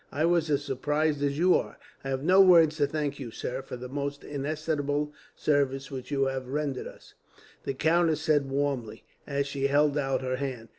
"I was as surprised as you are." "I have no words to thank you, sir, for the most inestimable service which you have rendered us," the countess said warmly, as she held out her hand.